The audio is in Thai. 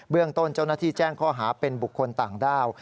เรื่องต้นเจ้าหน้าที่แจ้งข้อหาเป็นบุคคลต่างด้าว